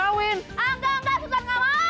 eh minggir lo belakang awas